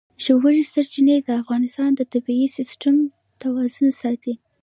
ژورې سرچینې د افغانستان د طبعي سیسټم توازن ساتي.